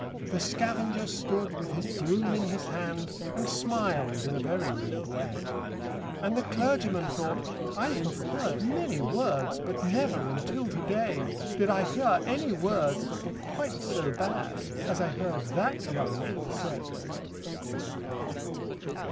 The scavenger stood with his broom in his hand, And smiled in a very rude way; And the clergyman thought, 'I have heard many words, But never, until to day, Did I hear any words that were quite so bad As I heard that young man say.'